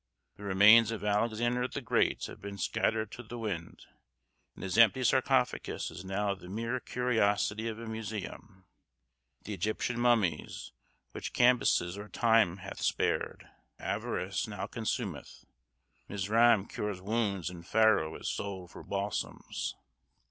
The remains of Alexander the Great have been scattered to the wind, and his empty sarcophagus is now the mere curiosity of a museum. "The Egyptian mummies, which Cambyses or time hath spared, avarice now consumeth; Mizraim cures wounds, and Pharaoh is sold for balsams."